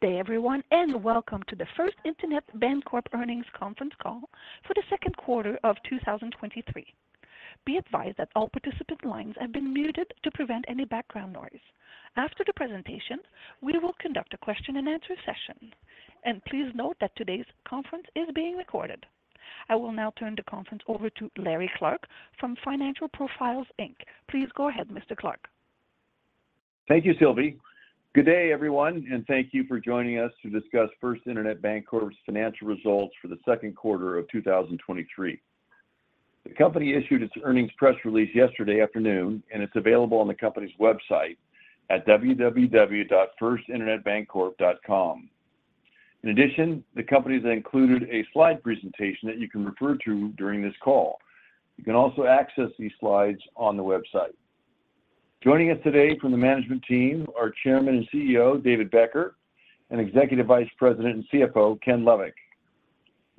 Good day, everyone. Welcome to the First Internet Bancorp Earnings Conference Call for the second quarter of 2023. Be advised that all participant lines have been muted to prevent any background noise. After the presentation, we will conduct a question-and-answer session. Please note that today's conference is being recorded. I will now turn the conference over to Larry Clark from Financial Profiles Inc. Please go ahead, Mr. Clark. Thank you, Sylvie. Good day, everyone. Thank you for joining us to discuss First Internet Bancorp's financial results for the second quarter of 2023. The company issued its earnings press release yesterday afternoon. It's available on the company's website at www.firstinternetbancorp.com. In addition, the company has included a slide presentation that you can refer to during this call. You can also access these slides on the website. Joining us today from the management team are Chairman and CEO, David Becker, and Executive Vice President and CFO, Ken Lovik.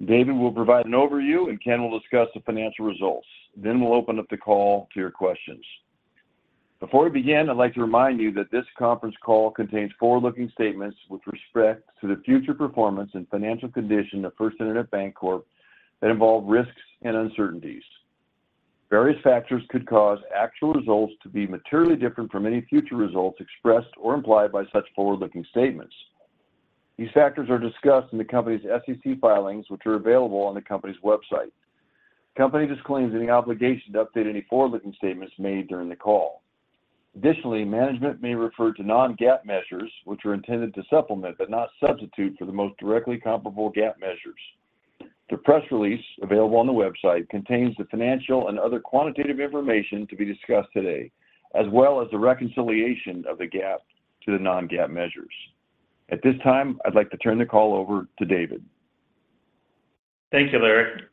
David will provide an overview, and Ken will discuss the financial results. We'll open up the call to your questions. Before we begin, I'd like to remind you that this conference call contains forward-looking statements with respect to the future performance and financial condition of First Internet Bancorp that involve risks and uncertainties. Various factors could cause actual results to be materially different from any future results expressed or implied by such forward-looking statements. These factors are discussed in the company's SEC filings, which are available on the company's website. The company disclaims any obligation to update any forward-looking statements made during the call. Additionally, management may refer to non-GAAP measures, which are intended to supplement, but not substitute, for the most directly comparable GAAP measures. The press release available on the website contains the financial and other quantitative information to be discussed today, as well as the reconciliation of the GAAP to the non-GAAP measures. At this time, I'd like to turn the call over to David. Thank you, Larry.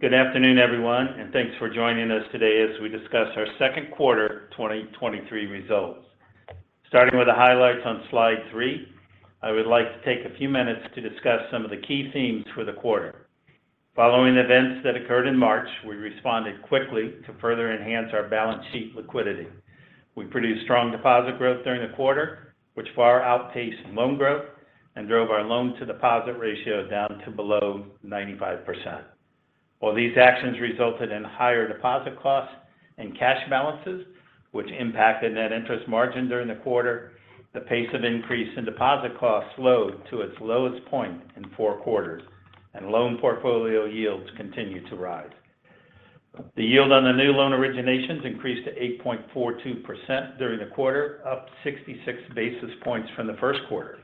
Good afternoon, everyone, thanks for joining us today as we discuss our second quarter 2023 results. Starting with the highlights on Slide three, I would like to take a few minutes to discuss some of the key themes for the quarter. Following events that occurred in March, we responded quickly to further enhance our balance sheet liquidity. We produced strong deposit growth during the quarter, which far outpaced loan growth and drove our loan to deposit ratio down to below 95%. While these actions resulted in higher deposit costs and cash balances, which impacted net interest margin during the quarter, the pace of increase in deposit costs slowed to its lowest point in four quarters, and loan portfolio yields continued to rise. The yield on the new loan originations increased to 8.42% during the quarter, up 66 basis points from the first quarter.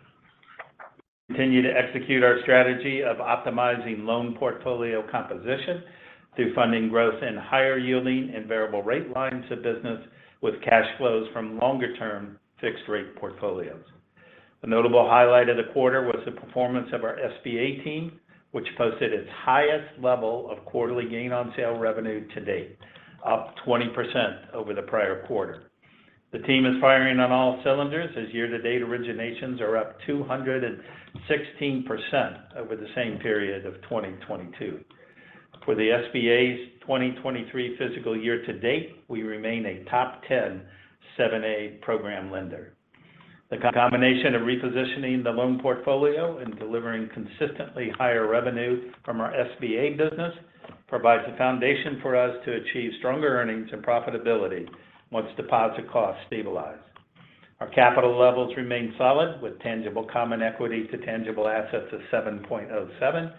Continue to execute our strategy of optimizing loan portfolio composition through funding growth in higher yielding and variable rate lines of business with cash flows from longer-term fixed rate portfolios. A notable highlight of the quarter was the performance of our SBA team, which posted its highest level of quarterly gain on sale revenue to date, up 20% over the prior quarter. The team is firing on all cylinders as year-to-date originations are up 216% over the same period of 2022. For the SBA's 2023 fiscal year-to-date, we remain a top 10 7(a) program lender. The combination of repositioning the loan portfolio and delivering consistently higher revenue from our SBA business provides a foundation for us to achieve stronger earnings and profitability once deposit costs stabilize. Our capital levels remain solid, with tangible common equity to tangible assets of 7.07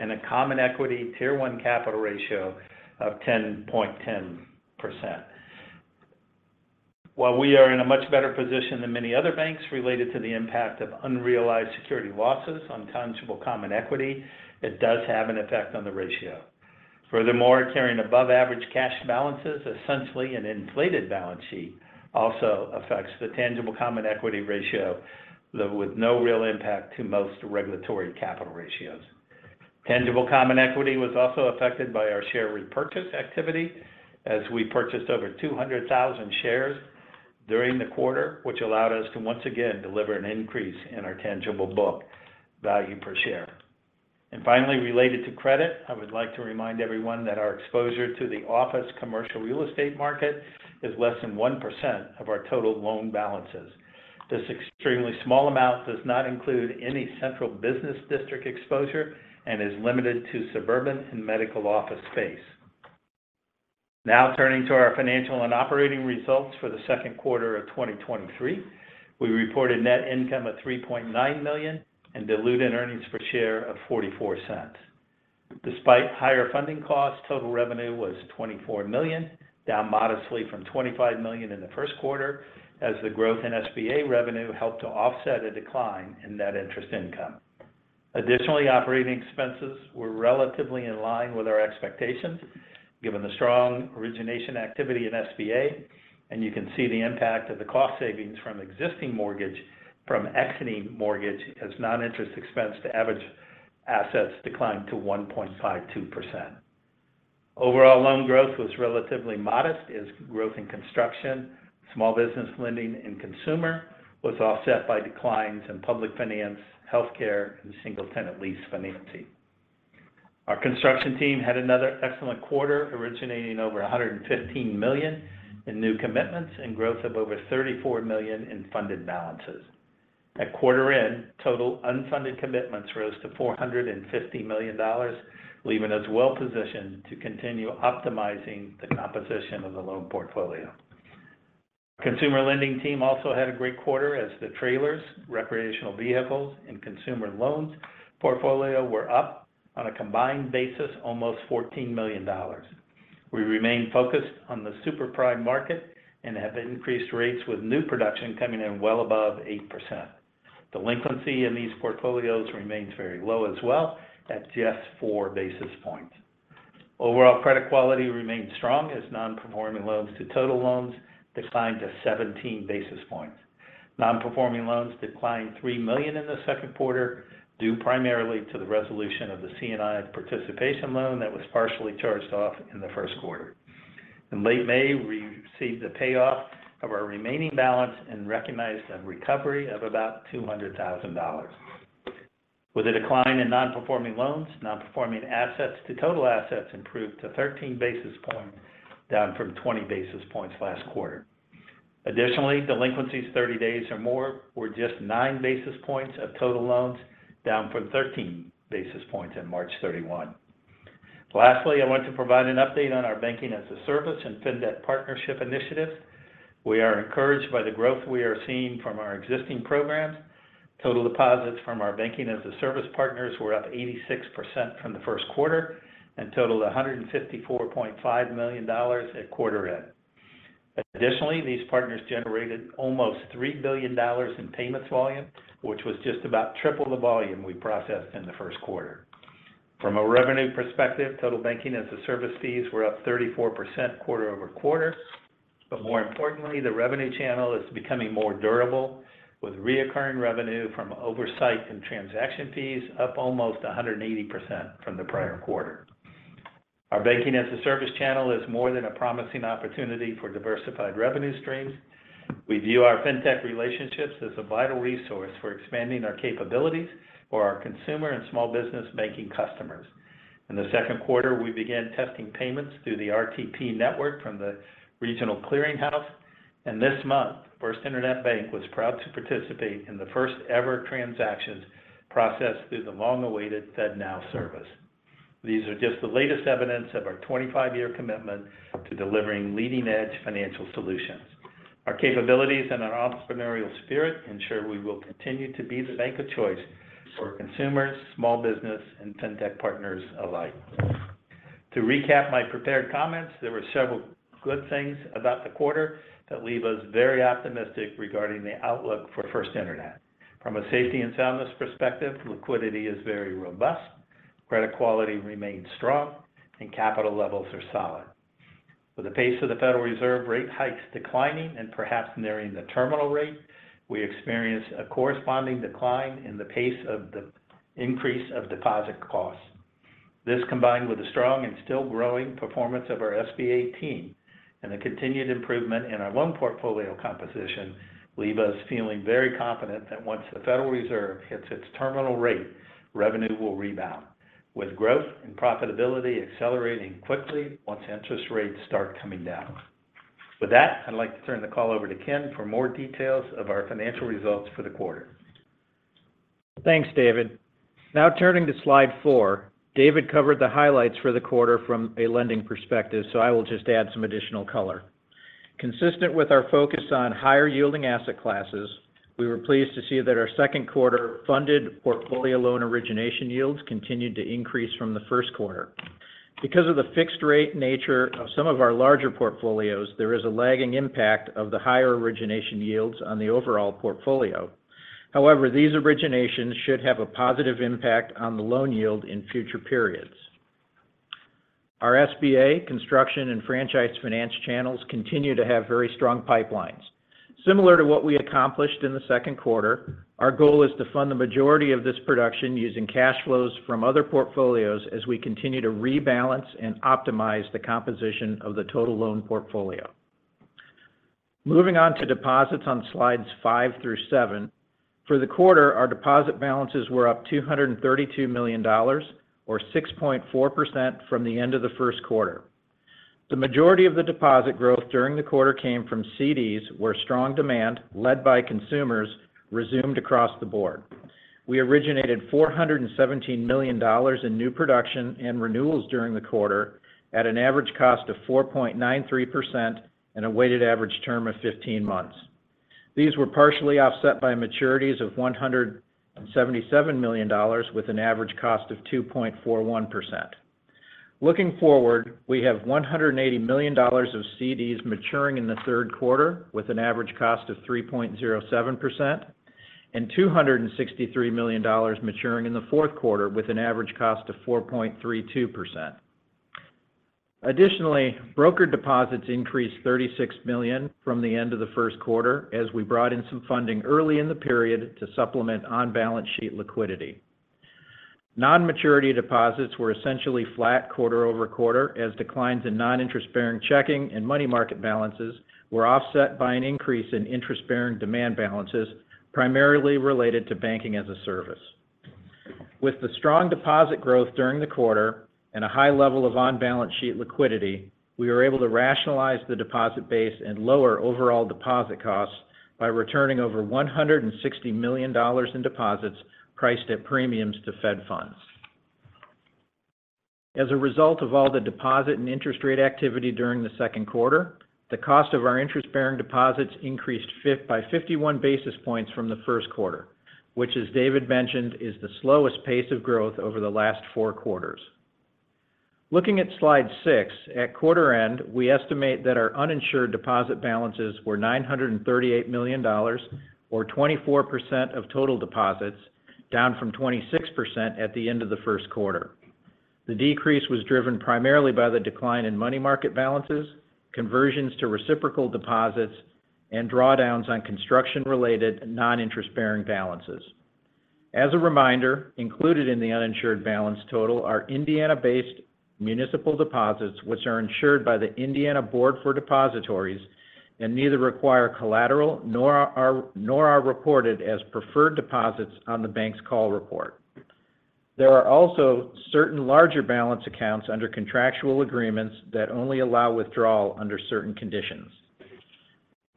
and a common equity Tier 1 capital ratio of 10.10%. While we are in a much better position than many other banks related to the impact of unrealized security losses on tangible common equity, it does have an effect on the ratio. Furthermore, carrying above average cash balances, essentially an inflated balance sheet, also affects the tangible common equity ratio, though with no real impact to most regulatory capital ratios. Tangible common equity was also affected by our share repurchase activity as we purchased over 200,000 shares during the quarter, which allowed us to once again deliver an increase in our tangible book value per share. Finally, related to credit, I would like to remind everyone that our exposure to the office commercial real estate market is less than 1% of our total loan balances. This extremely small amount does not include any central business district exposure and is limited to suburban and medical office space. Turning to our financial and operating results for the second quarter of 2023. We reported net income of $3.9 million and diluted earnings per share of $0.44. Despite higher funding costs, total revenue was $24 million, down modestly from $25 million in the first quarter, as the growth in SBA revenue helped to offset a decline in net interest income. Operating expenses were relatively in line with our expectations, given the strong origination activity in SBA, and you can see the impact of the cost savings from exiting mortgage as non-interest expense to average assets declined to 1.52%. Loan growth was relatively modest as growth in construction, small business lending and consumer was offset by declines in public finance, healthcare, and single-tenant lease financing. Our construction team had another excellent quarter, originating over $115 million in new commitments and growth of over $34 million in funded balances. At quarter end, total unfunded commitments rose to $450 million, leaving us well-positioned to continue optimizing the composition of the loan portfolio. Consumer lending team also had a great quarter as the trailers, recreational vehicles, and consumer loans portfolio were up on a combined basis, almost $14 million. We remain focused on the super prime market and have increased rates, with new production coming in well above 8%. Delinquency in these portfolios remains very low as well, at just 4 basis points. Overall, credit quality remains strong as non-performing loans to total loans declined to 17 basis points. Non-performing loans declined $3 million in the second quarter, due primarily to the resolution of the C&I participation loan that was partially charged off in the first quarter. In late May, we received the payoff of our remaining balance and recognized a recovery of about $200,000. With a decline in non-performing loans, non-performing assets to total assets improved to 13 basis points, down from 20 basis points last quarter. Additionally, delinquencies 30 days or more were just 9 basis points of total loans, down from 13 basis points on March 31. Lastly, I want to provide an update on our Banking as a Service and fintech partnership initiatives. We are encouraged by the growth we are seeing from our existing programs. Total deposits from our Banking as a Service partners were up 86% from the first quarter and totaled $154.5 million at quarter end. Additionally, these partners generated almost $3 billion in payments volume, which was just about triple the volume we processed in the first quarter. From a revenue perspective, total Banking as a Service fees were up 34% quarter-over-quarter. More importantly, the revenue channel is becoming more durable, with reoccurring revenue from oversight and transaction fees up almost 180% from the prior quarter. Our Banking as a Service channel is more than a promising opportunity for diversified revenue streams. We view our fintech relationships as a vital resource for expanding our capabilities for our consumer and small business banking customers. In the second quarter, we began testing payments through the RTP network from the regional Clearing House. This month, First Internet Bank was proud to participate in the first-ever transactions processed through the long-awaited FedNow Service. These are just the latest evidence of our 25-year commitment to delivering leading-edge financial solutions. Our capabilities and our entrepreneurial spirit ensure we will continue to be the bank of choice for consumers, small business, and fintech partners alike. To recap my prepared comments, there were several good things about the quarter that leave us very optimistic regarding the outlook for First Internet. From a safety and soundness perspective, liquidity is very robust, credit quality remains strong, and capital levels are solid. With the pace of the Federal Reserve rate hikes declining and perhaps nearing the terminal rate, we experienced a corresponding decline in the pace of the increase of deposit costs. This, combined with the strong and still growing performance of our SBA team and the continued improvement in our loan portfolio composition, leave us feeling very confident that once the Federal Reserve hits its terminal rate, revenue will rebound, with growth and profitability accelerating quickly once interest rates start coming down. With that, I'd like to turn the call over to Ken for more details of our financial results for the quarter. Thanks, David. Turning to Slide four. David covered the highlights for the quarter from a lending perspective, I will just add some additional color. Consistent with our focus on higher-yielding asset classes, we were pleased to see that our second quarter funded portfolio loan origination yields continued to increase from the first quarter. Because of the fixed rate nature of some of our larger portfolios, there is a lagging impact of the higher origination yields on the overall portfolio. However, these originations should have a positive impact on the loan yield in future periods. Our SBA, construction, and franchise finance channels continue to have very strong pipelines. Similar to what we accomplished in the second quarter, our goal is to fund the majority of this production using cash flows from other portfolios as we continue to rebalance and optimize the composition of the total loan portfolio. Moving on to deposits on Slides five through seven. For the quarter, our deposit balances were up $232 million, or 6.4% from the end of the first quarter. The majority of the deposit growth during the quarter came from CDs, where strong demand, led by consumers, resumed across the board. We originated $417 million in new production and renewals during the quarter at an average cost of 4.93% and a weighted average term of 15 months. These were partially offset by maturities of $177 million, with an average cost of 2.41%. Looking forward, we have $180 million of CDs maturing in the third quarter, with an average cost of 3.07%, and $263 million maturing in the fourth quarter, with an average cost of 4.32%. Additionally, broker deposits increased $36 million from the end of the first quarter, as we brought in some funding early in the period to supplement on-balance sheet liquidity. Non-maturity deposits were essentially flat quarter-over-quarter, as declines in non-interest-bearing checking and money market balances were offset by an increase in interest-bearing demand balances, primarily related to Banking as a Service. With the strong deposit growth during the quarter and a high level of on-balance sheet liquidity, we were able to rationalize the deposit base and lower overall deposit costs by returning over $160 million in deposits priced at premiums to Fed funds. As a result of all the deposit and interest rate activity during the second quarter, the cost of our interest-bearing deposits increased by 51 basis points from the first quarter, which, as David mentioned, is the slowest pace of growth over the last four quarters. Looking at Slide six, at quarter end, we estimate that our uninsured deposit balances were $938 million or 24% of total deposits, down from 26% at the end of the first quarter. The decrease was driven primarily by the decline in money market balances, conversions to reciprocal deposits, and drawdowns on construction-related, non-interest-bearing balances. As a reminder, included in the uninsured balance total are Indiana-based municipal deposits, which are insured by the Indiana Board for Depositories and neither require collateral nor are reported as preferred deposits on the bank's call report. There are also certain larger balance accounts under contractual agreements that only allow withdrawal under certain conditions.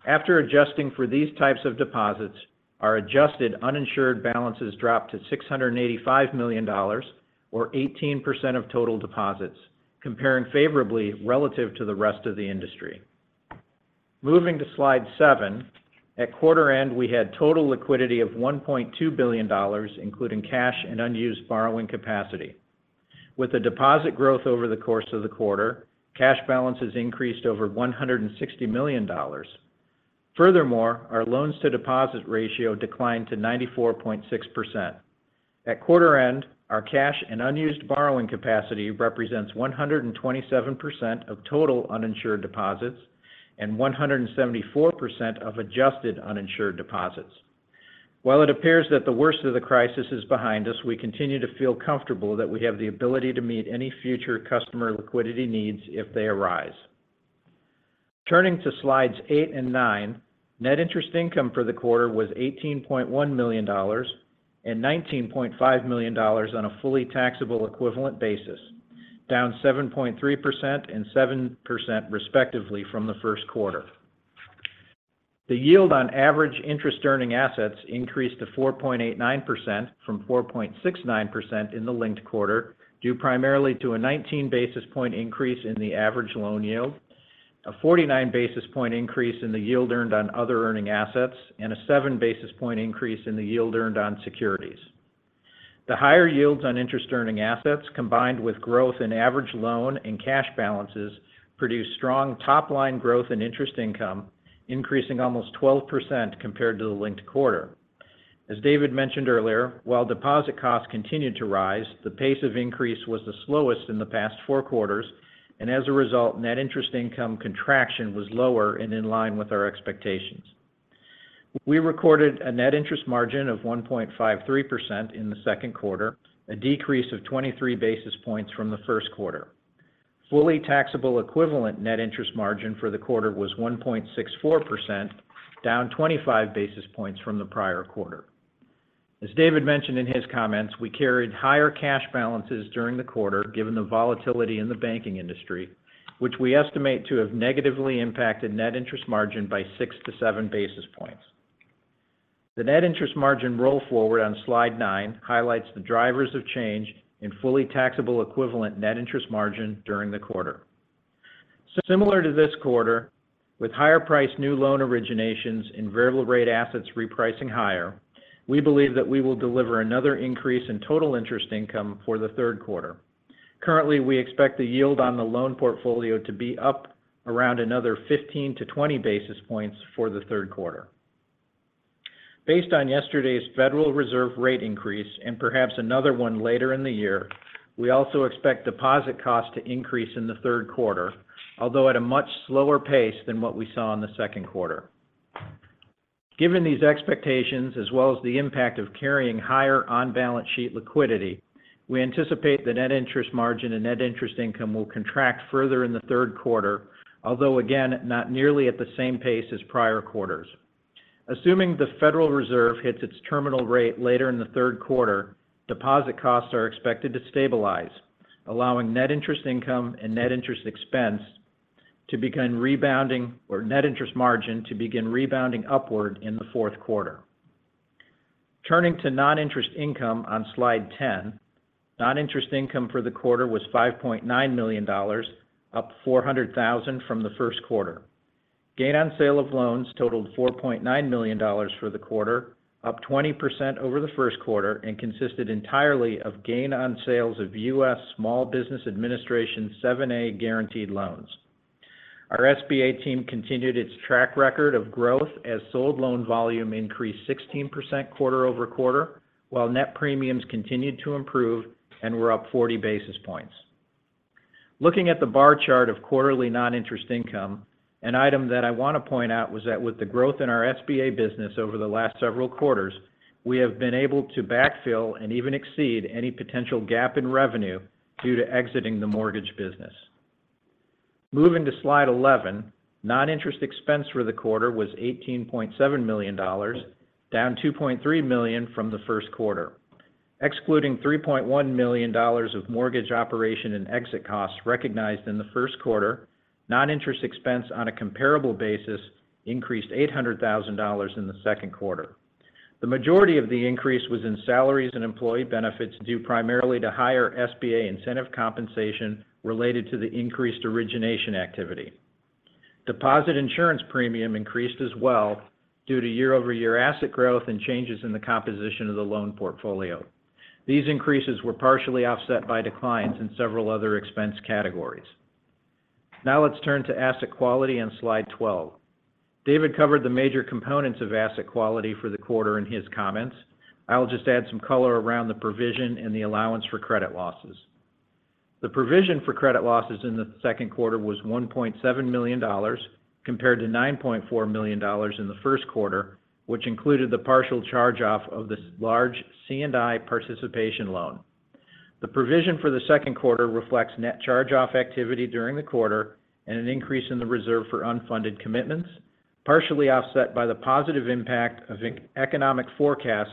After adjusting for these types of deposits, our adjusted uninsured balances dropped to $685 million or 18% of total deposits, comparing favorably relative to the rest of the industry. Moving to Slide seven, at quarter end, we had total liquidity of $1.2 billion, including cash and unused borrowing capacity. With the deposit growth over the course of the quarter, cash balances increased over $160 million. Furthermore, our loans to deposit ratio declined to 94.6%. At quarter end, our cash and unused borrowing capacity represents 127% of total uninsured deposits and 174% of adjusted uninsured deposits. While it appears that the worst of the crisis is behind us, we continue to feel comfortable that we have the ability to meet any future customer liquidity needs if they arise. Turning to Slides eight and nine, net interest income for the quarter was $18.1 million and $19.5 million on a fully taxable equivalent basis, down 7.3% and 7% respectively from the first quarter. The yield on average interest-earning assets increased to 4.89% from 4.69% in the linked quarter, due primarily to a 19 basis point increase in the average loan yield, a 49 basis point increase in the yield earned on other earning assets, and a 7 basis point increase in the yield earned on securities. The higher yields on interest earning assets, combined with growth in average loan and cash balances, produced strong top-line growth in interest income, increasing almost 12% compared to the linked quarter. As David mentioned earlier, while deposit costs continued to rise, the pace of increase was the slowest in the past four quarters, and as a result, net interest income contraction was lower and in line with our expectations. We recorded a net interest margin of 1.53% in the second quarter, a decrease of 23 basis points from the first quarter. Fully taxable equivalent net interest margin for the quarter was 1.64%, down 25 basis points from the prior quarter. As David mentioned in his comments, we carried higher cash balances during the quarter, given the volatility in the banking industry, which we estimate to have negatively impacted net interest margin by 6 to 7 basis points. The net interest margin roll forward on Slide nine highlights the drivers of change in fully taxable equivalent net interest margin during the quarter. Similar to this quarter, with higher priced new loan originations and variable rate assets repricing higher, we believe that we will deliver another increase in total interest income for the third quarter. Currently, we expect the yield on the loan portfolio to be up around another 15-20 basis points for the third quarter. Based on yesterday's Federal Reserve rate increase and perhaps another one later in the year, we also expect deposit costs to increase in the third quarter, although at a much slower pace than what we saw in the second quarter. Given these expectations, as well as the impact of carrying higher on-balance sheet liquidity, we anticipate the net interest margin and net interest income will contract further in the third quarter, although again, not nearly at the same pace as prior quarters. Assuming the Federal Reserve hits its terminal rate later in the third quarter, deposit costs are expected to stabilize, allowing net interest income and net interest margin to begin rebounding upward in the fourth quarter. Turning to non-interest income on Slide 10, non-interest income for the quarter was $5.9 million, up $400,000 from the first quarter. Gain on sale of loans totaled $4.9 million for the quarter, up 20% over the first quarter, and consisted entirely of gain on sales of U.S. Small Business Administration 7(a) guaranteed loans. Our SBA team continued its track record of growth as sold loan volume increased 16% quarter-over-quarter, while net premiums continued to improve and were up 40 basis points. Looking at the bar chart of quarterly non-interest income, an item that I want to point out was that with the growth in our SBA business over the last several quarters, we have been able to backfill and even exceed any potential gap in revenue due to exiting the mortgage business. Moving to Slide 11, non-interest expense for the quarter was $18.7 million, down $2.3 million from the first quarter. Excluding $3.1 million of mortgage operation and exit costs recognized in the first quarter, non-interest expense on a comparable basis increased $800,000 in the second quarter. The majority of the increase was in salaries and employee benefits, due primarily to higher SBA incentive compensation related to the increased origination activity. Deposit insurance premium increased as well due to year-over-year asset growth and changes in the composition of the loan portfolio. These increases were partially offset by declines in several other expense categories. Let's turn to asset quality on Slide 12. David covered the major components of asset quality for the quarter in his comments. I'll just add some color around the provision and the allowance for credit losses. The provision for credit losses in the second quarter was $1.7 million, compared to $9.4 million in the first quarter, which included the partial charge-off of this large C&I participation loan. The provision for the second quarter reflects net charge-off activity during the quarter and an increase in the reserve for unfunded commitments, partially offset by the positive impact of economic forecasts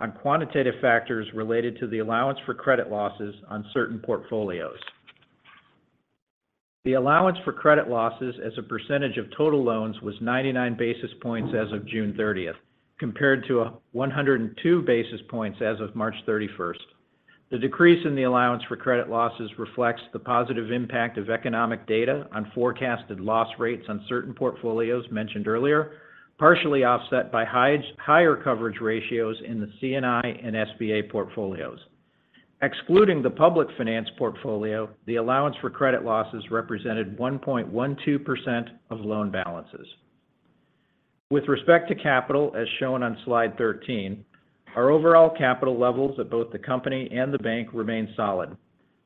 on quantitative factors related to the allowance for credit losses on certain portfolios. The allowance for credit losses as a percentage of total loans was 99 basis points as of June 30th, compared to 102 basis points as of March 31st. The decrease in the allowance for credit losses reflects the positive impact of economic data on forecasted loss rates on certain portfolios mentioned earlier, partially offset by higher coverage ratios in the C&I and SBA portfolios. Excluding the public finance portfolio, the allowance for credit losses represented 1.12% of loan balances. With respect to capital, as shown on Slide 13, our overall capital levels at both the company and the bank remain solid.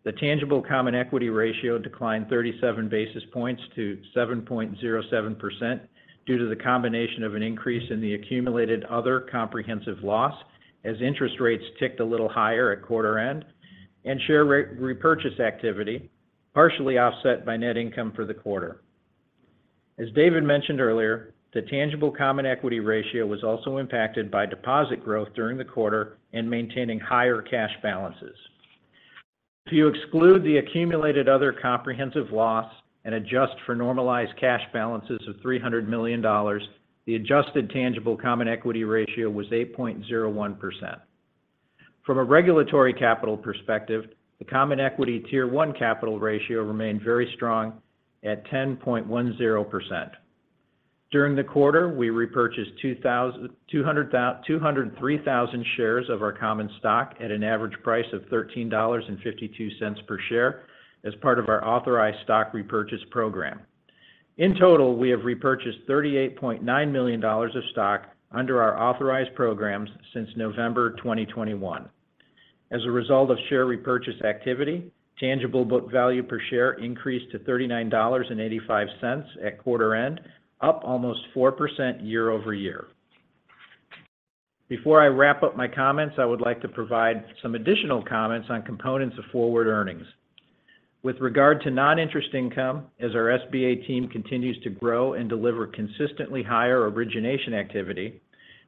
The tangible common equity ratio declined 37 basis points to 7.07% due to the combination of an increase in the accumulated other comprehensive loss, as interest rates ticked a little higher at quarter end, and share re-repurchase activity, partially offset by net income for the quarter. As David mentioned earlier, the tangible common equity ratio was also impacted by deposit growth during the quarter and maintaining higher cash balances. If you exclude the accumulated other comprehensive loss and adjust for normalized cash balances of $300 million, the adjusted tangible common equity ratio was 8.01%. From a regulatory capital perspective, the common equity Tier 1 capital ratio remained very strong at 10.10%. During the quarter, we repurchased 203,000 shares of our common stock at an average price of $13.52 per share as part of our authorized stock repurchase program. In total, we have repurchased $38.9 million of stock under our authorized programs since November 2021. As a result of share repurchase activity, tangible book value per share increased to $39.85 at quarter end, up almost 4% year-over-year. Before I wrap up my comments, I would like to provide some additional comments on components of forward earnings. With regard to non-interest income, as our SBA team continues to grow and deliver consistently higher origination activity,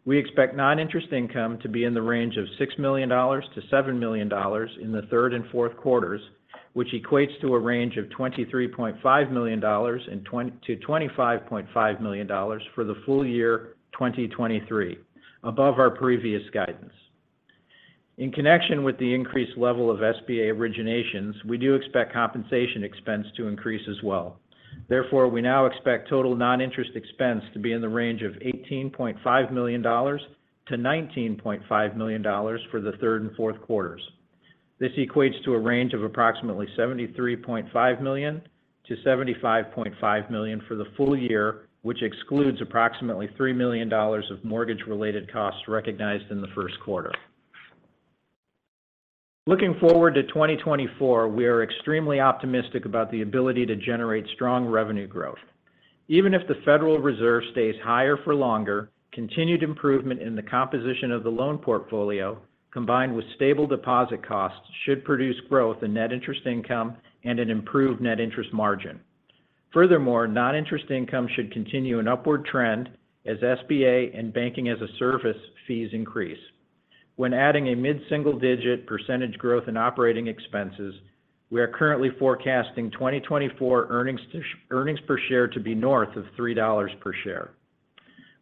we expect non-interest income to be in the range of $6 million-$7 million in the third and fourth quarters, which equates to a range of $23.5 million-$25.5 million for the full year 2023, above our previous guidance. In connection with the increased level of SBA originations, we do expect compensation expense to increase as well. Therefore, we now expect total non-interest expense to be in the range of $18.5 million-$19.5 million for the third and fourth quarters. This equates to a range of approximately $73.5 million-$75.5 million for the full year, which excludes approximately $3 million of mortgage-related costs recognized in the first quarter. Looking forward to 2024, we are extremely optimistic about the ability to generate strong revenue growth. Even if the Federal Reserve stays higher for longer, continued improvement in the composition of the loan portfolio, combined with stable deposit costs, should produce growth in net interest income and an improved net interest margin. Furthermore, non-interest income should continue an upward trend as SBA and Banking as a Service fees increase. When adding a mid-single-digit % growth in operating expenses, we are currently forecasting 2024 earnings per share to be north of $3 per share.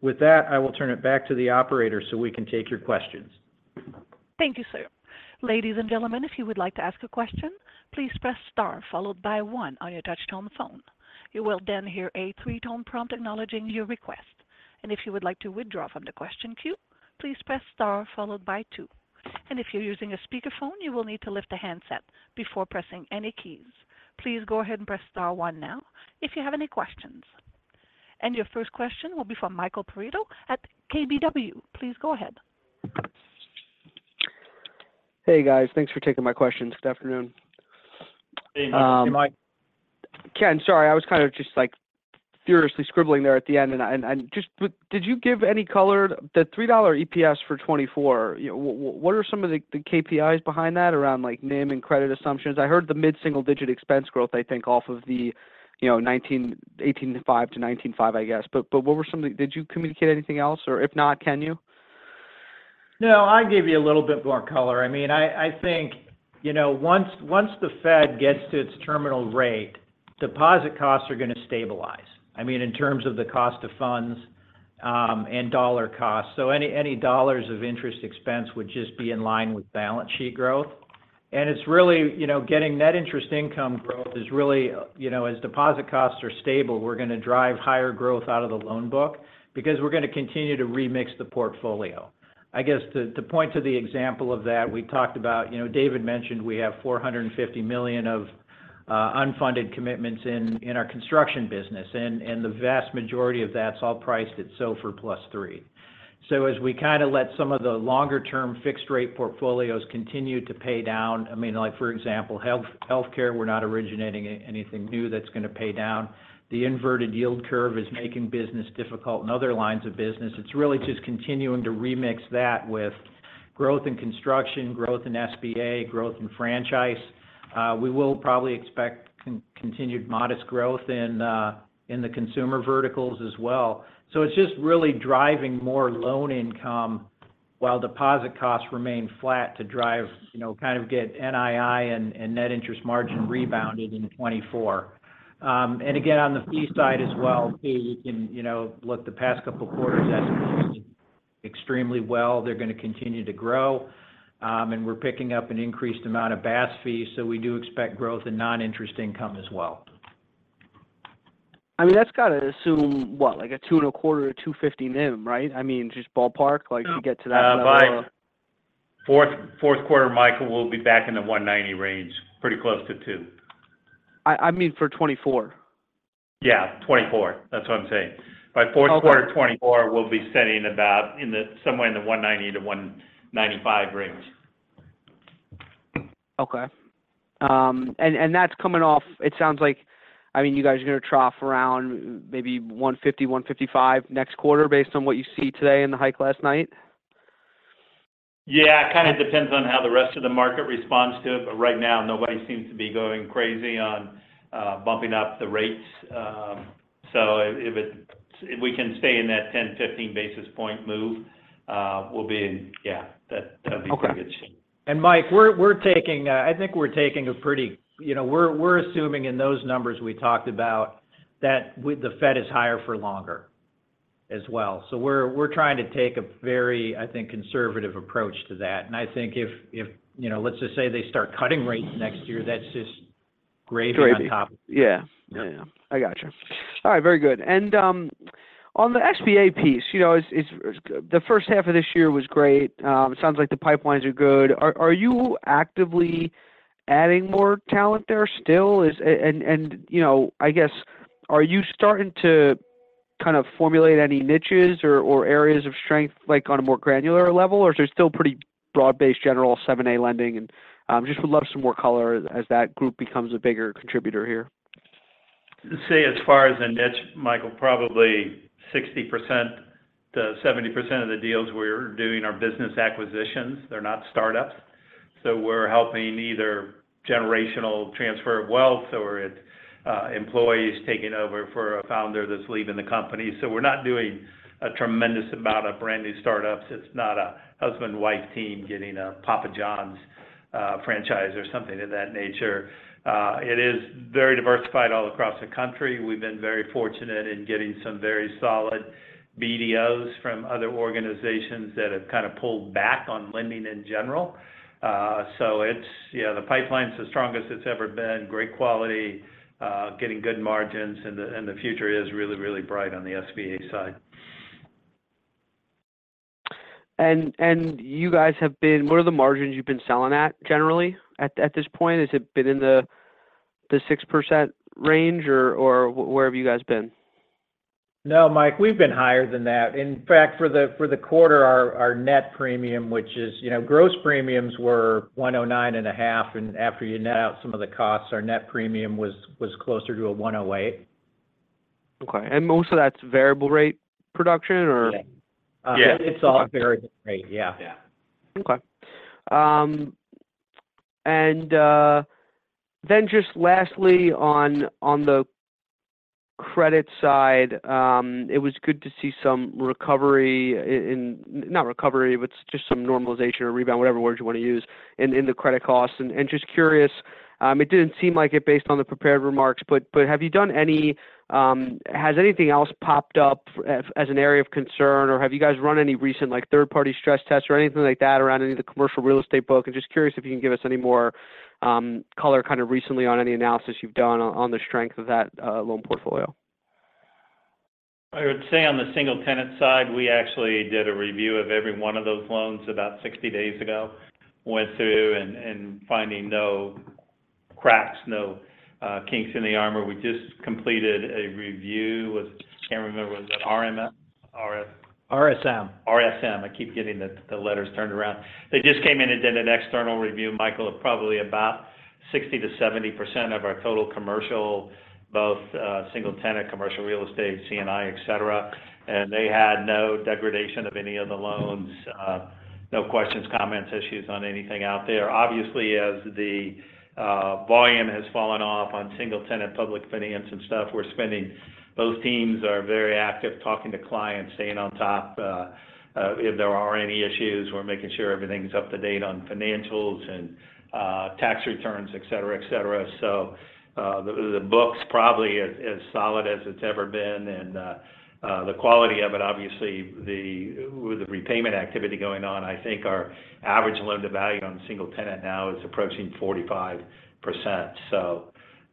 With that, I will turn it back to the operator so we can take your questions. Thank you, sir. Ladies and gentlemen, if you would like to ask a question, please press star followed by one on your touchtone phone. You will then hear a three-tone prompt acknowledging your request. If you would like to withdraw from the question queue, please press star followed by two. If you're using a speakerphone, you will need to lift the handset before pressing any keys. Please go ahead and press star one now if you have any questions. Your first question will be from Michael Perito at KBW. Please go ahead. Hey, guys. Thanks for taking my question this afternoon. Hey, Mike. Ken, sorry, I was kind of just furiously scribbling there at the end. Just did you give any color? The $3 EPS for 2024, you know, what are some of the KPIs behind that around like NIM and credit assumptions? I heard the mid-single-digit expense growth, I think, off of the, you know, 18.5 to 19.5, I guess. What were some of the did you communicate anything else, or if not, can you? No, I gave you a little bit more color. I mean, I think, you know, once the Fed gets to its terminal rate, deposit costs are going to stabilize. I mean, in terms of the cost of funds, and dollar costs. Any dollars of interest expense would just be in line with balance sheet growth. It's really, you know, getting net interest income growth is really, you know, as deposit costs are stable, we're going to drive higher growth out of the loan book because we're going to continue to remix the portfolio. I guess to point to the example of that, we talked about, you know, David mentioned we have $450 million of unfunded commitments in our construction business, and the vast majority of that's all priced at SOFR +3. As we let some of the longer-term fixed-rate portfolios continue to pay down, for example, healthcare, we're not originating anything new that's going to pay down. The inverted yield curve is making business difficult in other lines of business. It's really just continuing to remix that with growth in construction, growth in SBA, growth in franchise. We will probably expect continued modest growth in the consumer verticals as well. It's just really driving more loan income while deposit costs remain flat to drive, get NII and net interest margin rebounding in 2024. Again, on the fee side as well, fee, you can, look, the past couple of quarters extremely well. They're going to continue to grow, and we're picking up an increased amount of BaaS fees, so we do expect growth in non-interest income as well. I mean, that's got to assume, what? Like a two and a quarter or 2.50 NIM, right? I mean, just ballpark, like to get to that level. By fourth quarter, Michael, we'll be back in the $1.90 range, pretty close to $2.00. I mean for 2024. Yeah, 2024. That's what I'm saying. Okay. By fourth quarter of 2024, we'll be sitting about somewhere in the 190-195 range. Okay. It sounds like, I mean, you guys are going to trough around maybe 150, 155 next quarter based on what you see today and the hike last night? It kind of depends on how the rest of the market responds to it, but right now, nobody seems to be going crazy on bumping up the rates. If we can stay in that 10, 15 basis point move, that'll be pretty good. Okay. Mike, I think we're taking a pretty. You know, we're assuming in those numbers we talked about that with the Fed is higher for longer as well. We're trying to take a very, I think, conservative approach to that. I think if, you know, let's just say they start cutting rates next year, that's just gravy on top. Gravy. Yeah. Yeah. I got you. All right, very good. On the SBA piece, you know, it's the first half of this year was great. It sounds like the pipelines are good. Are you actively adding more talent there still? You know, I guess, are you starting to kind of formulate any niches or areas of strength, like on a more granular level? Is there still pretty broad-based, general 7(a) lending and just would love some more color as that group becomes a bigger contributor here. Let's say as far as the niche, Michael, probably 60%-70% of the deals we're doing are business acquisitions. They're not startups. We're helping either generational transfer of wealth or it's, employees taking over for a founder that's leaving the company. We're not doing a tremendous amount of brand-new startups. It's not a husband-and-wife team getting a Papa John's, franchise or something of that nature. It is very diversified all across the country. We've been very fortunate in getting some very solid BDOs from other organizations that have kind of pulled back on lending in general. It's, yeah, the pipeline's the strongest it's ever been. Great quality, getting good margins, and the, and the future is really, really bright on the SBA side. What are the margins you've been selling at generally at this point? Has it been in the 6% range or where have you guys been? No, Mike, we've been higher than that. In fact, for the quarter, our net premium, which is, you know, gross premiums were 109.5%, and after you net out some of the costs, our net premium was closer to a 108%. Okay. Most of that's variable rate production or- Yeah. Yeah. It's all variable rate, yeah. Yeah. Okay. Just lastly, on, on the credit side, it was good to see some not recovery, but just some normalization or rebound, whatever word you want to use in, in the credit costs. Just curious, it didn't seem like it based on the prepared remarks, but have you done any? Has anything else popped up as, as an area of concern, or have you guys run any recent, like, third-party stress tests or anything like that around any of the commercial real estate book? I'm just curious if you can give us any more color kind of recently on any analysis you've done on, on the strength of that loan portfolio. I would say on the single tenant side, we actually did a review of every one of those loans about 60 days ago. Went through and finding no cracks, no kinks in the armor. We just completed a review with, I can't remember, was it RMF? RSM. RSM, I keep getting the, the letters turned around. They just came in and did an external review, Michael, of probably about 60%-70% of our total commercial, both, single-tenant commercial real estate, C&I, et cetera, and they had no degradation of any of the loans. No questions, comments, issues on anything out there. As the volume has fallen off on single-tenant public finance and stuff, those teams are very active, talking to clients, staying on top. If there are any issues, we're making sure everything's up-to-date on financials and tax returns, et cetera, et cetera. The book's probably as solid as it's ever been, and the quality of it, obviously, with the repayment activity going on, I think our average loan-to-value on single tenant now is approaching 45%.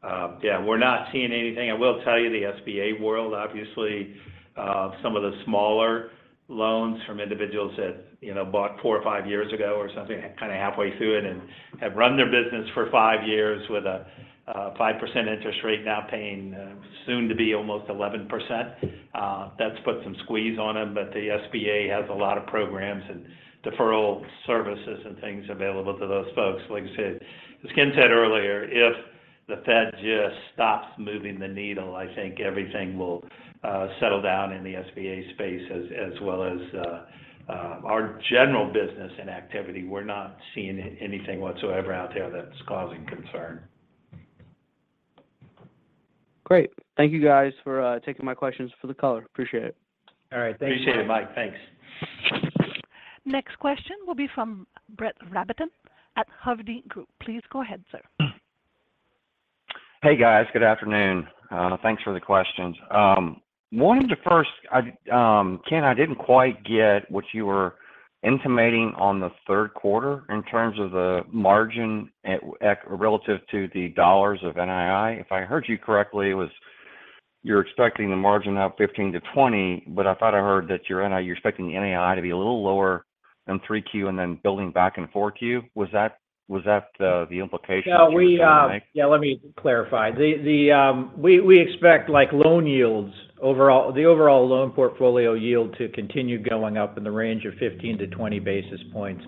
Yeah, we're not seeing anything. I will tell you, the SBA world, obviously, some of the smaller loans from individuals that, you know, bought four or five years ago or something, kind of halfway through it, and have run their business for five years with a 5% interest rate, now paying soon to be almost 11%. That's put some squeeze on them. The SBA has a lot of programs and deferral services and things available to those folks. As Ken said earlier, if the Fed just stops moving the needle, I think everything will settle down in the SBA space as well as our general business and activity. We're not seeing anything whatsoever out there that's causing concern. Great. Thank you, guys, for taking my questions for the quarter. Appreciate it. All right. Thank you. Appreciate it, Mike. Thanks. Next question will be from Brett Rabatin at Hovde Group. Please go ahead, sir. Hey, guys. Good afternoon. Thanks for the questions. Wanted to first, Ken, I didn't quite get what you were intimating on the third quarter in terms of the margin relative to the dollars of NII. If I heard you correctly, you're expecting the margin up 15-20, but I thought I heard that you're expecting the NII to be a little lower than three Q and then building back in four Q. Was that the implication that you were making? Yeah, let me clarify. We expect, like, the overall loan portfolio yield to continue going up in the range of 15-20 basis points.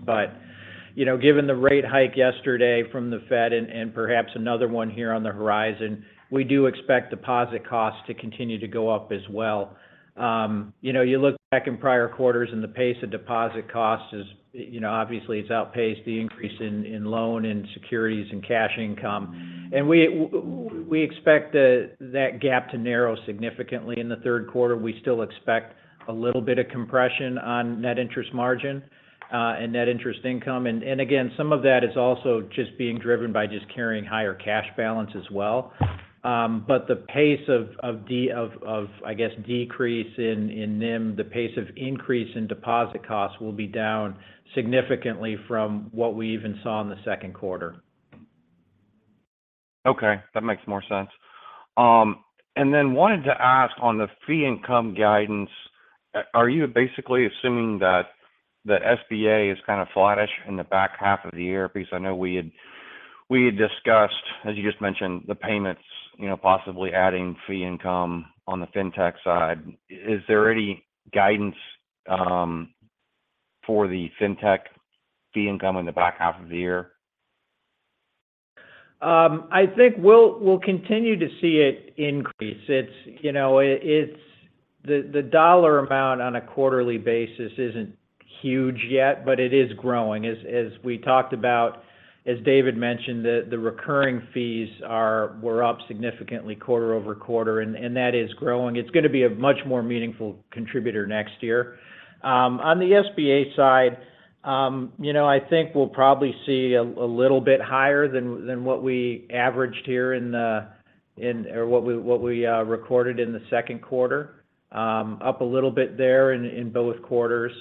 You know, given the rate hike yesterday from the Fed and perhaps another one here on the horizon, we do expect deposit costs to continue to go up as well. You know, you look back in prior quarters, the pace of deposit costs is, you know, obviously, it's outpaced the increase in loan and securities and cash income. We expect that gap to narrow significantly in the third quarter. We still expect a little bit of compression on net interest margin and net interest income. Again, some of that is also just being driven by just carrying higher cash balance as well. The pace of, I guess, decrease in NIM, the pace of increase in deposit costs will be down significantly from what we even saw in the second quarter. Okay, that makes more sense. Then wanted to ask on the fee income guidance, are you basically assuming that the SBA is kind of flattish in the back half of the year? I know we had discussed, as you just mentioned, the payments, you know, possibly adding fee income on the fintech side. Is there any guidance for the fintech fee income in the back half of the year? I think we'll continue to see it increase. It's, you know, the dollar amount on a quarterly basis isn't huge yet, but it is growing. As we talked about, as David mentioned, the recurring fees were up significantly quarter-over-quarter, and that is growing. It's going to be a much more meaningful contributor next year. On the SBA side, you know, I think we'll probably see a little bit higher than what we averaged here or what we recorded in the second quarter. Up a little bit there in both quarters.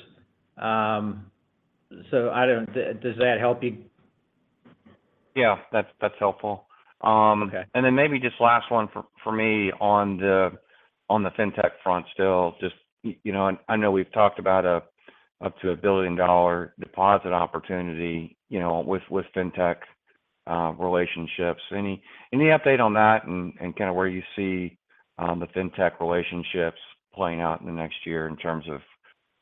Does that help you? Yeah, that's, that's helpful. Okay. Maybe just last one for me on the fintech front still. Just, you know, and I know we've talked about up to a $1 billion deposit opportunity, you know, with fintech relationships. Any update on that and kind of where you see the fintech relationships playing out in the next year in terms of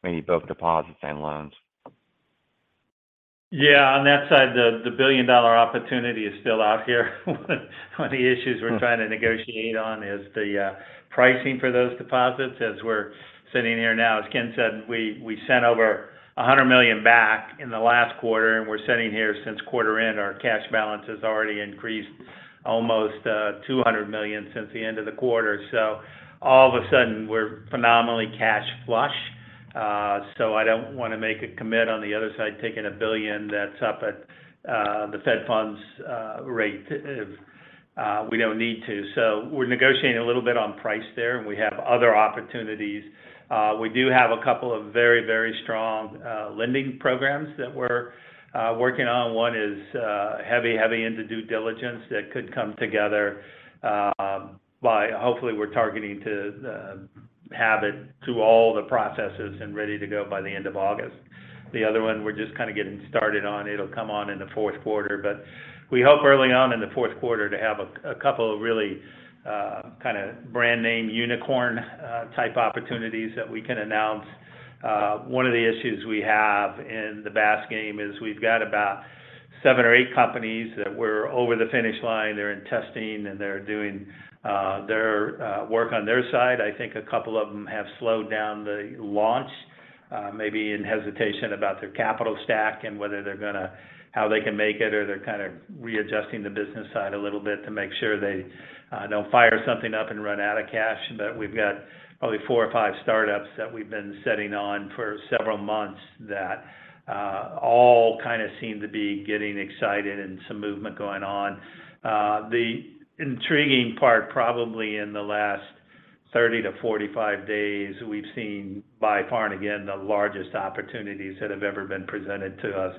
maybe both deposits and loans? Yeah, on that side, the billion-dollar opportunity is still out there. One of the issues we're trying to negotiate on is the pricing for those deposits. As we're sitting here now, as Ken Lovik said, we sent over $100 million back in the last quarter, and we're sitting here since quarter end, our cash balance has already increased almost $200 million since the end of the quarter. All of a sudden, we're phenomenally cash flush. I don't wanna make a commit on the other side, taking $1 billion that's up at the Fed funds rate, we don't need to. We're negotiating a little bit on price there, and we have other opportunities. We do have a couple of very strong lending programs that we're working on. One is heavy, heavy into due diligence that could come together, hopefully, we're targeting to have it through all the processes and ready to go by the end of August. The other one, we're just kind of getting started on. It'll come on in the fourth quarter, but we hope early on in the fourth quarter to have a couple of really, kind of brand-name unicorn, type opportunities that we can announce. One of the issues we have in the BaaS game is we've got about seven or eight companies that we're over the finish line. They're in testing, and they're doing their work on their side. I think a couple of them have slowed down the launch, maybe in hesitation about their capital stack and whether they can make it, or they're kind of readjusting the business side a little bit to make sure they don't fire something up and run out of cash. We've got probably four or five startups that we've been sitting on for several months that all kind of seem to be getting excited and some movement going on. The intriguing part, probably in the last 30 to 45 days, we've seen by far, and again, the largest opportunities that have ever been presented to us.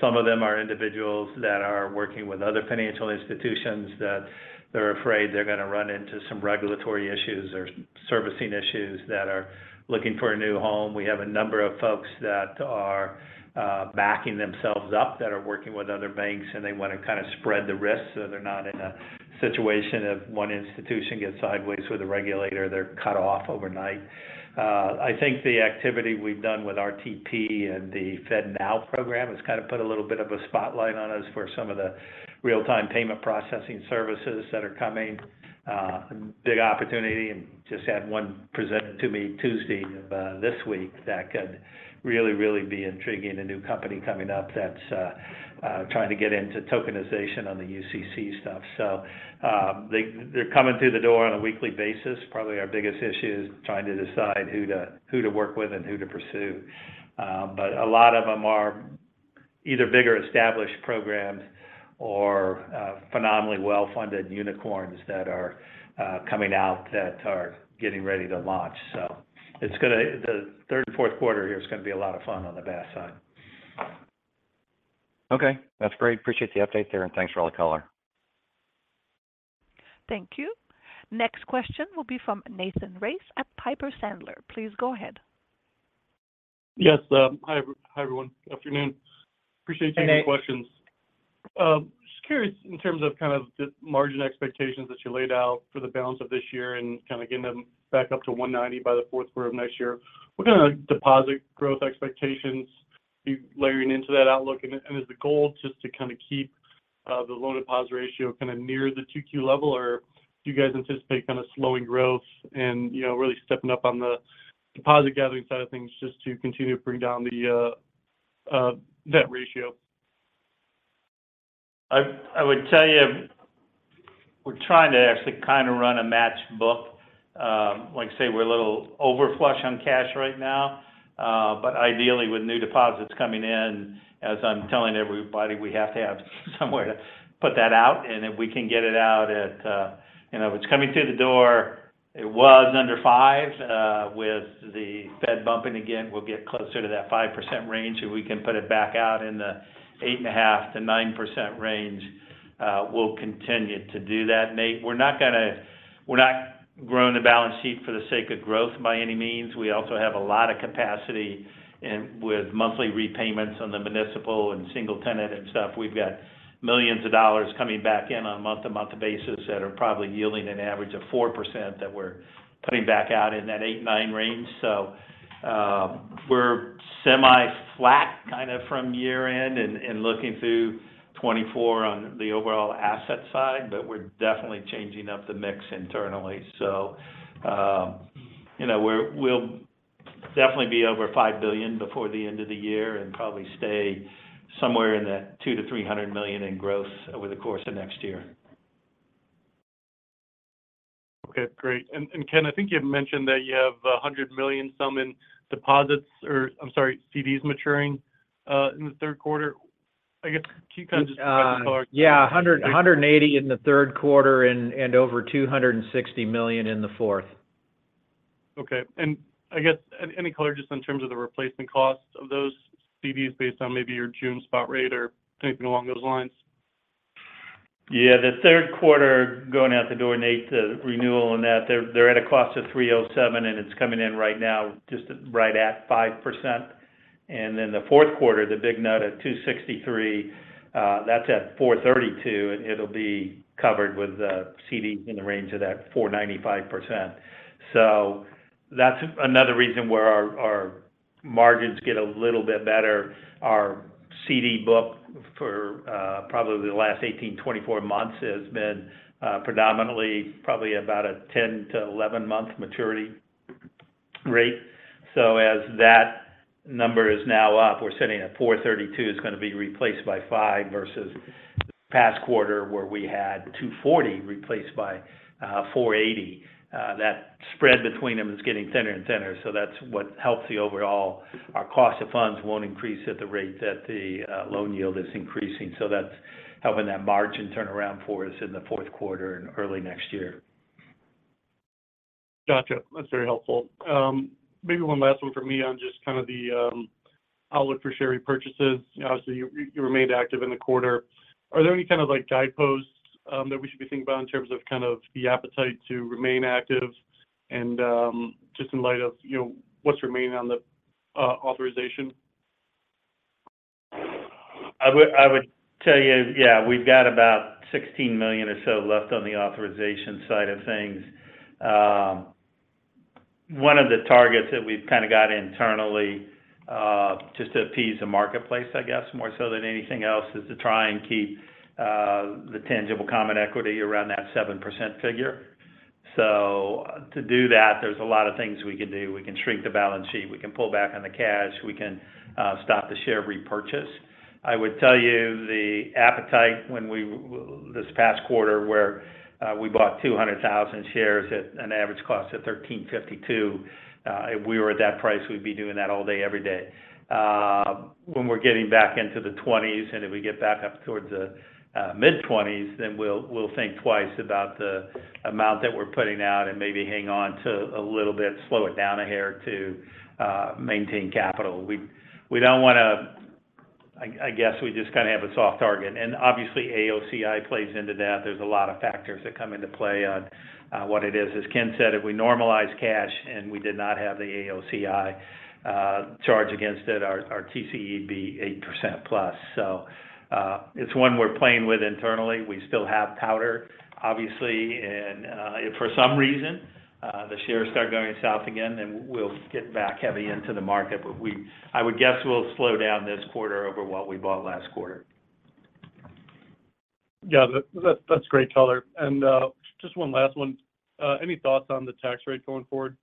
Some of them are individuals that are working with other financial institutions, that they're afraid they're gonna run into some regulatory issues or servicing issues that are looking for a new home. We have a number of folks that are backing themselves up, that are working with other banks, and they want to kind of spread the risk, so they're not in a situation of one institution gets sideways with a regulator, they're cut off overnight. I think the activity we've done with RTP and the FedNow program has kind of put a little bit of a spotlight on us for some of the real-time payment processing services that are coming. Big opportunity, and just had one presented to me Tuesday of this week that could really be intriguing. A new company coming up that's trying to get into tokenization on the UCC stuff. They're coming through the door on a weekly basis. Probably our biggest issue is trying to decide who to work with and who to pursue. A lot of them are either bigger, established programs or phenomenally well-funded unicorns that are coming out that are getting ready to launch. The third and fourth quarter here is gonna be a lot of fun on the BaaS side. Okay, that's great. Appreciate the update there, and thanks for all the color. Thank you. Next question will be from Nathan Race at Piper Sandler. Please go ahead. Yes. Hi, everyone. Afternoon. Hey, Nate. Appreciate you taking questions. Just curious, in terms of kind of the margin expectations that you laid out for the balance of this year and kind of getting them back up to 1.90% by the fourth quarter of 2024, what kind of deposit growth expectations be layering into that outlook? Is the goal just to kind of keep the loan-to-deposit ratio kind of near the 2Q level? Or do you guys anticipate kind of slowing growth and, you know, really stepping up on the deposit-gathering side of things just to continue to bring down the net ratio? I would tell you, we're trying to actually kind of run a match book. Like I say, we're a little over flush on cash right now. Ideally, with new deposits coming in, as I'm telling everybody, we have to have somewhere to put that out. If we can get it out at, you know, it's coming through the door, it was under five. With the Fed bumping again, we'll get closer to that 5% range. If we can put it back out in the 8.5%-9% range, we'll continue to do that, Nate. We're not growing the balance sheet for the sake of growth by any means. We also have a lot of capacity with monthly repayments on the municipal and single tenant and stuff. We've got millions of dollars coming back in on a month-to-month basis that are probably yielding an average of 4% that we're putting back out in that 8%, 9% range. We're semi-flat, kind of from year-end and looking through 2024 on the overall asset side, but we're definitely changing up the mix internally. You know, we'll definitely be over $5 billion before the end of the year and probably stay somewhere in that $200 million-$300 million in growth over the course of next year. Okay, great. Ken, I think you had mentioned that you have $100 million sum in deposits or, I'm sorry, CDs maturing, in the third quarter. I guess, can you kind of just- Uh- provide some color? Yeah, $180 in the third quarter and over $260 million in the fourth. Okay. I guess, any color just in terms of the replacement costs of those CDs based on maybe your June spot rate or anything along those lines? The third quarter going out the door, Nathan Race, the renewal on that, they're at a cost of $3.07, and it's coming in right now just right at 5%. The fourth quarter, the big note at $2.63, that's at $4.32, and it'll be covered with a CD in the range of that 4.95%. That's another reason where our margins get a little bit better. Our CD book for probably the last 18, 24 months, has been predominantly probably about a 10 to 11-month maturity rate. As that number is now up, we're sitting at $4.32, it's gonna be replaced by $5, versus the past quarter, where we had $2.40 replaced by $4.80. That spread between them is getting thinner and thinner, that's what helps the overall. Our cost of funds won't increase at the rate that the loan yield is increasing. That's helping that margin turn around for us in the fourth quarter and early next year. Gotcha. That's very helpful. Maybe one last one for me on just kind of the outlook for share repurchases. Obviously, you remained active in the quarter. Are there any kind of, like, guideposts, that we should be thinking about in terms of kind of the appetite to remain active and, just in light of, you know, what's remaining on the authorization? I would tell you, yeah, we've got about $16 million or so left on the authorization side of things. One of the targets that we've kind of got internally, just to appease the marketplace, I guess, more so than anything else, is to try and keep the tangible common equity around that 7% figure. To do that, there's a lot of things we could do. We can shrink the balance sheet, we can pull back on the cash, we can stop the share repurchase. I would tell you the appetite when this past quarter, where we bought 200,000 shares at an average cost of $13.52, if we were at that price, we'd be doing that all day, every day. When we're getting back into the 20s, if we get back up towards the mid-20s, we'll think twice about the amount that we're putting out and maybe hang on to a little bit, slow it down a hair to maintain capital. We don't want to. I guess we just kind of have a soft target. Obviously, AOCI plays into that. There's a lot of factors that come into play on what it is. As Ken said, if we normalize cash and we did not have the AOCI charge against it, our TCE would be 8%+. It's one we're playing with internally. We still have powder, obviously. If for some reason, the shares start going south again, we'll get back heavy into the market. I would guess we'll slow down this quarter over what we bought last quarter. Yeah, that's great color. Just one last one. Any thoughts on the tax rate going forward?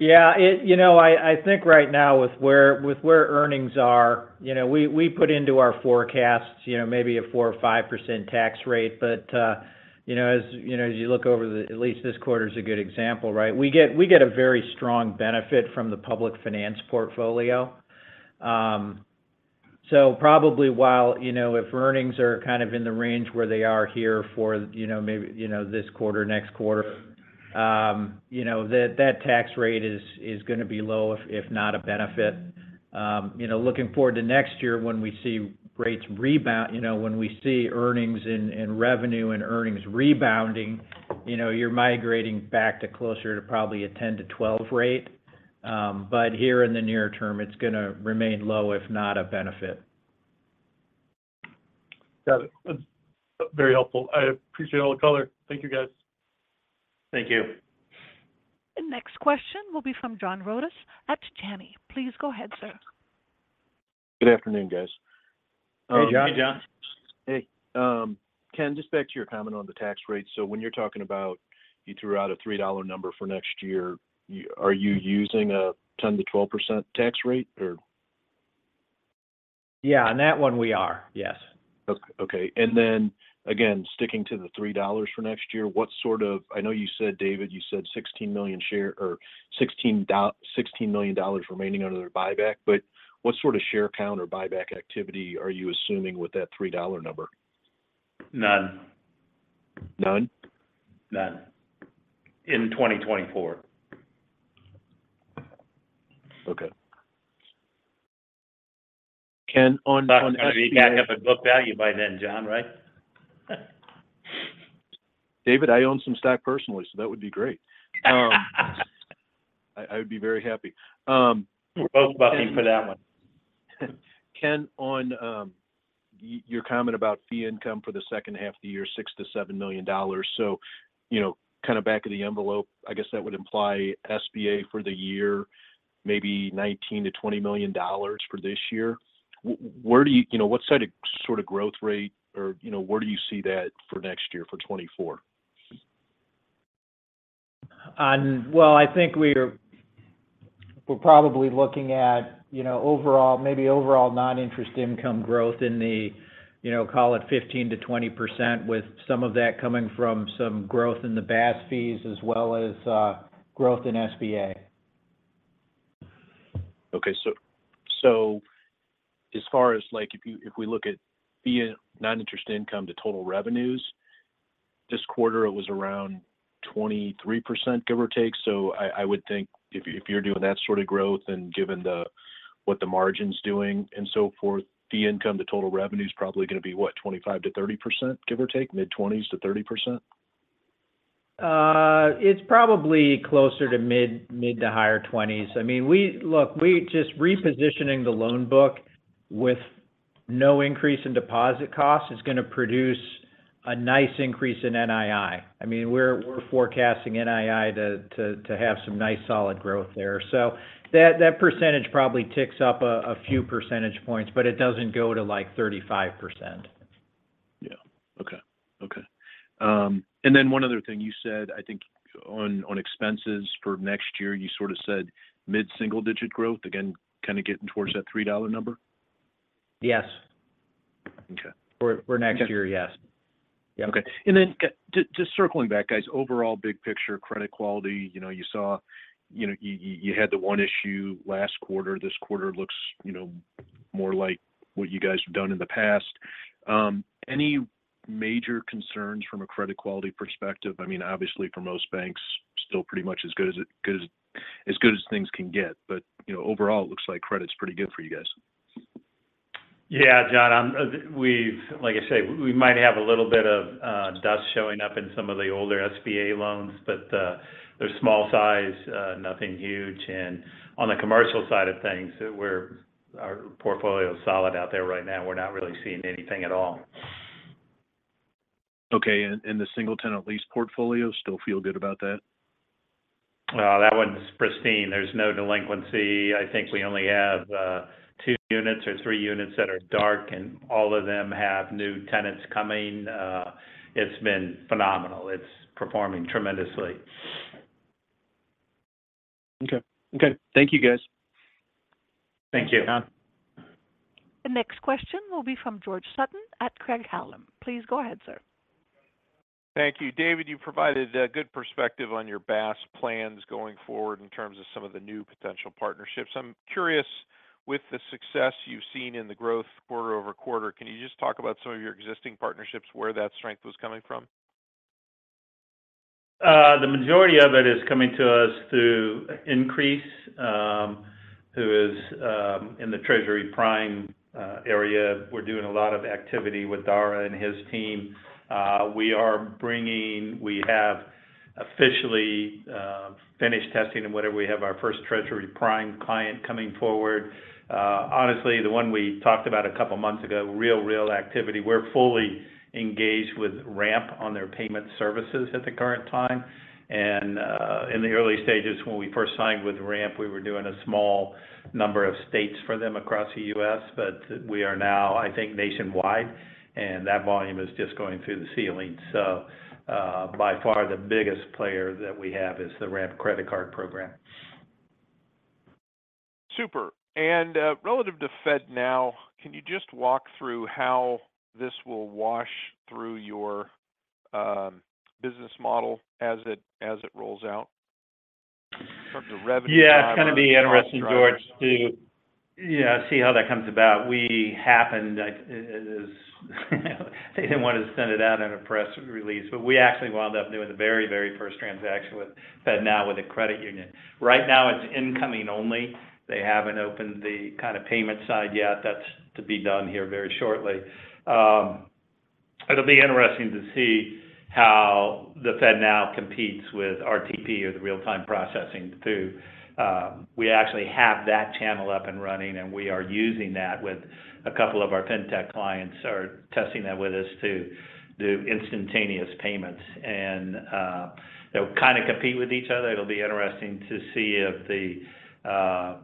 Yeah, it you know, I think right now, with where earnings are, you know, we put into our forecasts, you know, maybe a 4% or 5% tax rate. You know, as you look over the at least this quarter is a good example, right? We get a very strong benefit from the public finance portfolio. Probably while, you know, if earnings are kind of in the range where they are here for, you know, maybe this quarter, next quarter, you know, that tax rate is going to be low, if not a benefit. you know, looking forward to next year when we see rates rebound, you know, when we see earnings and revenue and earnings rebounding, you know, you're migrating back to closer to probably a 10-12 rate. Here in the near term, it's going to remain low, if not a benefit. Got it. That's, very helpful. I appreciate all the color. Thank you, guys. Thank you. The next question will be from John Rodis at Janney. Please go ahead, sir. Good afternoon, guys. Hey, John. Hey, John. Hey. Ken, just back to your comment on the tax rate. When you're talking about you threw out a $3 number for next year, are you using a 10%-12% tax rate or? Yeah, on that one we are, yes. Okay. Then again, sticking to the $3 for 2024, what sort of, I know you said, David, you said 16 million share or $16 million remaining under the buyback, but what sort of share count or buyback activity are you assuming with that $3 number? None. None? None. In 2024. Okay. Ken, on. We got to have a book value by then, John, right? David, I own some stock personally, so that would be great. I would be very happy. We're both bucking for that one. Ken, on your comment about fee income for the second half of the year, $6 million-$7 million. You know, kind of back of the envelope, I guess that would imply SBA for the year, maybe $19 million-$20 million for this year. Where do you, you know, what sort of growth rate or, you know, where do you see that for next year, for 2024? I think we're probably looking at, you know, overall, maybe overall non-interest income growth in the, you know, call it 15%-20%, with some of that coming from some growth in the BaaS fees as well as growth in SBA. Okay. As far as, like, if you, if we look at fee and non-interest income to total revenues, this quarter, it was around 23%, give or take. I, I would think if, if you're doing that sort of growth and given the, what the margin's doing and so forth, the income to total revenue is probably going to be, what, 25%-30%, give or take? Mid-20s to 30%? It's probably closer to mid to higher twenties. I mean, look, we just repositioning the loan book with no increase in deposit costs is going to produce a nice increase in NII. I mean, we're, we're forecasting NII to have some nice solid growth there. That, that percentage probably ticks up a few percentage points, but it doesn't go to, like, 35%. Yeah. Okay, okay. Then one other thing you said, I think on, on expenses for next year, you sort of said mid-single-digit growth, again, kind of getting towards that $3 number? Yes. Okay. For next year, yes. Yeah, okay. Just circling back, guys, overall big picture, credit quality, you know, you saw you had the one issue last quarter. Any major concerns from a credit quality perspective? I mean, obviously, for most banks, still pretty much as good as things can get. You know, overall, it looks like credit's pretty good for you guys. Yeah, John, like I say, we might have a little bit of dust showing up in some of the older SBA loans, but they're small size, nothing huge. On the commercial side of things, our portfolio is solid out there right now. We're not really seeing anything at all. Okay. The single tenant lease portfolio, still feel good about that? That one's pristine. There's no delinquency. I think we only have two units or three units that are dark, and all of them have new tenants coming. It's been phenomenal. It's performing tremendously. Okay. Okay. Thank you, guys. Thank you, John. The next question will be from George Sutton at Craig-Hallum. Please go ahead, sir. Thank you. David, you provided a good perspective on your BaaS plans going forward in terms of some of the new potential partnerships. I'm curious, with the success you've seen in the growth quarter-over-quarter, can you just talk about some of your existing partnerships, where that strength was coming from? The majority of it is coming to us through Increase, who is in the Treasury Prime area. We're doing a lot of activity with Dara and his team. We have officially finished testing and whatever. We have our first Treasury Prime client coming forward. Honestly, the one we talked about a couple of months ago, real, real activity. We're fully engaged with Ramp on their payment services at the current time. In the early stages, when we first signed with Ramp, we were doing a small number of states for them across the U.S., but we are now, I think, nationwide, and that volume is just going through the ceiling. By far, the biggest player that we have is the Ramp credit card program. Super. relative to FedNow, can you just walk through how this will wash through your business model as it, as it rolls out from the revenue side? It's going to be interesting, George, to see how that comes about. They didn't want to send it out in a press release, but we actually wound up doing the very, very first transaction with FedNow with a credit union. Right now, it's incoming only. They haven't opened the kind of payment side yet. That's to be done here very shortly. It'll be interesting to see how the FedNow competes with RTP or the real-time processing, too. We actually have that channel up and running, we are using that with a couple of our fintech clients are testing that with us to do instantaneous payments. They'll kind of compete with each other. It'll be interesting to see if the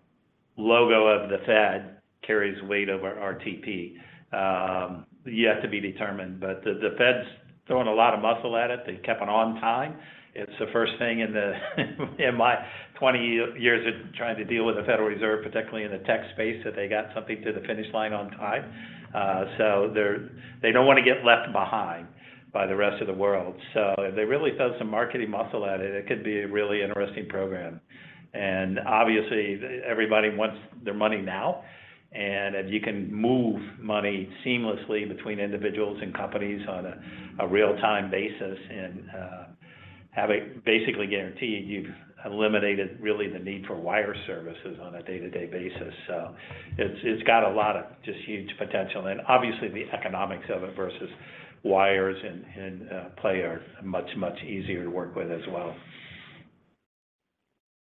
logo of the Fed carries weight over RTP. Yet to be determined, the Fed's throwing a lot of muscle at it. They kept it on time. It's the first thing in my 20 years of trying to deal with the Federal Reserve, particularly in the tech space, that they got something to the finish line on time. They don't want to get left behind by the rest of the world, so if they really throw some marketing muscle at it, it could be a really interesting program. Obviously, everybody wants their money now, and if you can move money seamlessly between individuals and companies on a real-time basis and have a basically guarantee, you've eliminated really the need for wire services on a day-to-day basis. It's got a lot of just huge potential. Obviously, the economics of it versus wires and play are much, much easier to work with as well.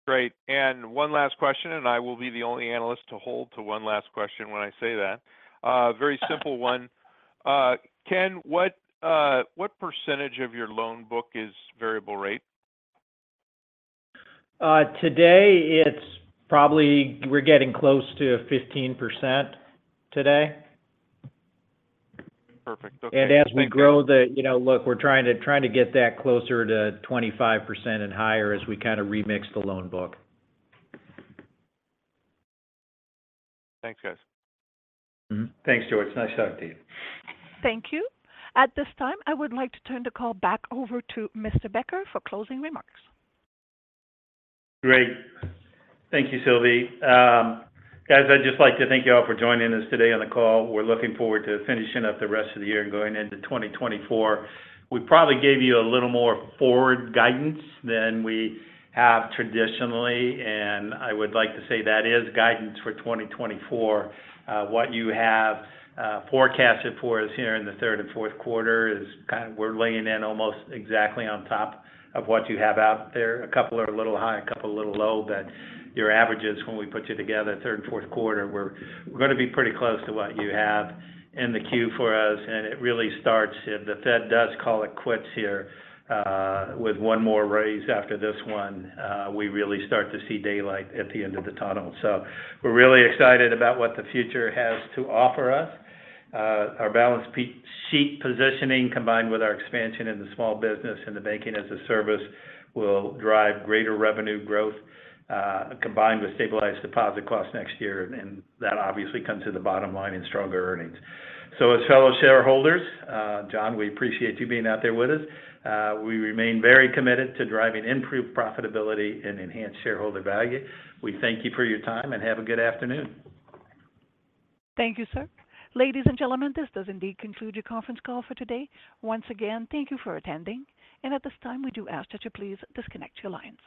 Great. One last question, and I will be the only analyst to hold to one last question when I say that. Very simple one. Ken, what, what percentage of your loan book is variable rate? Today, we're getting close to 15% today. Perfect. Okay. As we grow You know, look, we're trying to get that closer to 25% and higher as we kind of remix the loan book. Thanks, guys. Mm-hmm. Thanks, George. Nice talking to you. Thank you. At this time, I would like to turn the call back over to Mr. Becker for closing remarks. Great. Thank you, Sylvie. Guys, I'd just like to thank you all for joining us today on the call. We're looking forward to finishing up the rest of the year and going into 2024. We probably gave you a little more forward guidance than we have traditionally, and I would like to say that is guidance for 2024. What you have, forecasted for us here in the third and fourth quarter is we're laying in almost exactly on top of what you have out there. Your averages, when we put you together, third and fourth quarter, we're going to be pretty close to what you have in the queue for us. If the Fed does call it quits here, with one more raise after this one, we really start to see daylight at the end of the tunnel. We're really excited about what the future has to offer us. Our balance sheet positioning, combined with our expansion in the small business and the Banking as a Service, will drive greater revenue growth, combined with stabilized deposit costs next year, that obviously comes to the bottom line in stronger earnings. As fellow shareholders, John, we appreciate you being out there with us. We remain very committed to driving improved profitability and enhanced shareholder value. We thank you for your time, and have a good afternoon. Thank you, sir. Ladies and gentlemen, this does indeed conclude your conference call for today. Once again, thank you for attending, and at this time, we do ask that you please disconnect your lines.